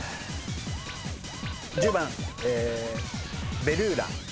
１０番ベル―ラ。